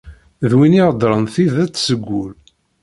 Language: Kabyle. D win iheddṛen tidet seg wul.